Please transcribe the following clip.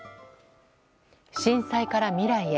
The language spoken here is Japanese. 震災から未来へ。